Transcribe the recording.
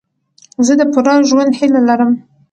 زه د پوره ژوند هیله لرم.